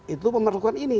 itu memerlukan ini